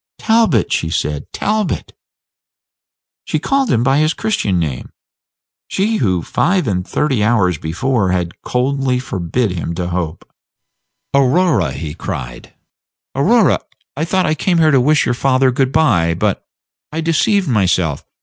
"Talbot!" she said, "Talbot!" She called him by his Christian name, she who five and thirty hours before had coldly forbidden him to hope. "Aurora," he cried, "Aurora, I thought I came here to wish your father good by; but I deceived myself.